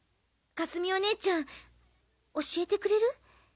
かすみお姉ちゃん教えてくれる？